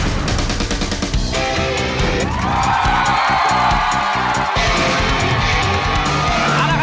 พี่ปังต่างจากชีวิต